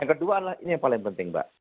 yang kedua adalah ini yang paling penting mbak